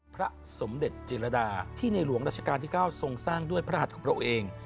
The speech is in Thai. พระสมเด็จจิรดาที่ในหลวงราชการที่๙ทรงสร้างด้วยพระหัสของพระองค์เอง